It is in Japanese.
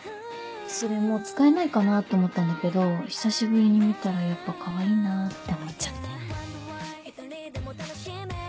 それもう使えないかなぁと思ったんだけど久しぶりに見たらやっぱかわいいなぁって思っちゃって。